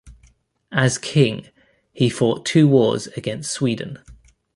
As king, he fought two wars against Sweden.